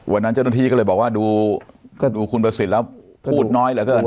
วันนั้นเจ้าหน้าที่ก็เลยบอกว่าดูก็ดูคุณประสิทธิ์แล้วพูดน้อยเหลือเกิน